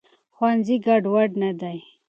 ښوونځي ګډوډ نه دی.